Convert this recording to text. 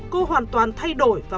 cô hoàn toàn thay đổi và